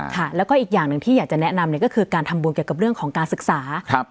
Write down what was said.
ค่ะแล้วก็อีกอย่างหนึ่งที่อยากจะแนะนำเนี่ยก็คือการทำบุญเกี่ยวกับเรื่องของการศึกษา